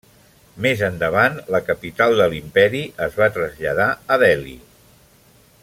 Més endavant la capital de l'imperi es va traslladar a Delhi.